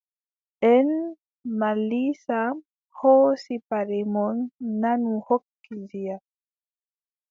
Nden Mal Iisa hoosi paɗe mon nanu hokki Diya.